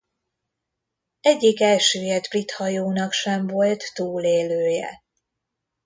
Egyik elsüllyedt brit hajónak sem volt túlélője.